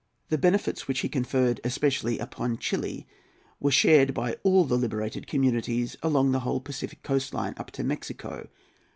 The benefits which he conferred especially upon Chili were shared by all the liberated communities along the whole Pacific coastline up to Mexico.